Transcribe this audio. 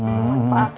empat hari kemudian